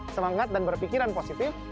semangat dan berpikiran positif